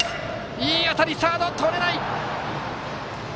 いい当たり、サードとれない！